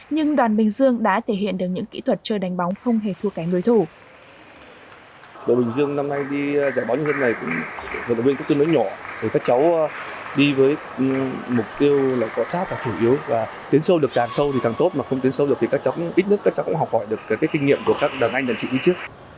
nhưng đoàn bình dương đã thể hiện được những kỹ thuật chơi đánh bóng không hề thua cánh đối thủ